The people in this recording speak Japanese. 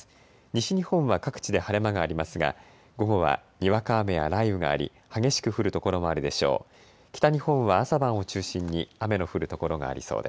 西日本は各地で晴れ間がありますが午後はにわか雨や雷雨があり激しく降る所もあるでしょう。